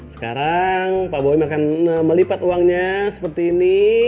sekarang pak bowir akan melipat uangnya seperti ini